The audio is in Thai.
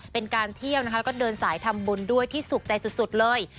เป็นการเที่ยวนะคะแล้วก็เดินสายทำบุญด้วยที่สุขใจสุดเลย